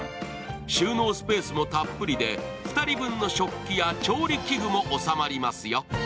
収納スペースもたっぷりで２人分の食器や調理器具も収まりますよ。